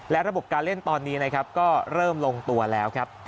และระบบการเล่นตอนนี้นะครับก็เริ่มลงตัวแล้วครับ